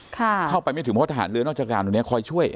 เข้าไปไม่ถึงเพราะทหารเรือนอกราชการตรงนี้คอยช่วย